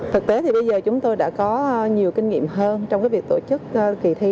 thực tế thì bây giờ chúng tôi đã có nhiều kinh nghiệm hơn trong việc tổ chức kỳ thi